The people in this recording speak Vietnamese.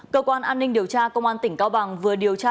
cơ quan an ninh điều tra công an tỉnh cao bằng vừa điều tra